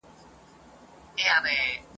وئېل ئې چې ناياب نۀ دی خو ډېر ئې پۀ ارمان دي ..